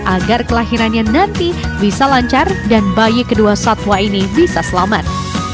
agar kelahirannya nanti bisa lancar dan bayi kedua satwa ini bisa selamat